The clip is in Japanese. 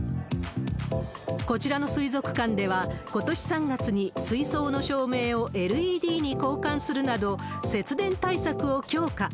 こちらの水族館では、ことし３月に水槽の照明をＬＥＤに交換するなど、節電対策を強化。